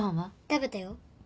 食べたよ。